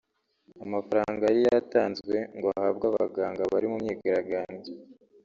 Amafaranga yari yatanzwe ngo ahabwe abaganga bari mu myigaragambyo